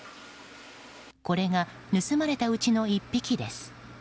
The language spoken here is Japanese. これが盗まれたうちの１匹です。